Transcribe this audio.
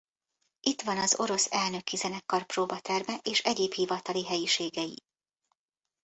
Itt van az orosz elnöki zenekar próbaterme és egyéb hivatali helyiségei.